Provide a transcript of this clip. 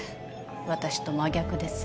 私と真逆です。